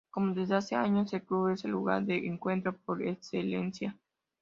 Como desde hace años, el Club es el lugar de encuentro por excelencia.